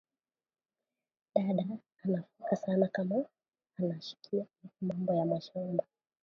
Dada ata foka sana kama anashikia ile mambo ya mashamba